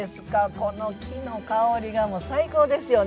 この木の香りが最高ですよね。